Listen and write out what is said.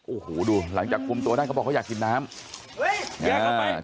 โอ้โหดูหลังจากกลุ่มตัวได้เขาบอกเขาอยากกินน้ำเฮ้ยแยกเข้าไป